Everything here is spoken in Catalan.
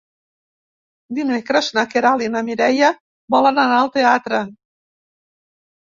Dimecres na Queralt i na Mireia volen anar al teatre.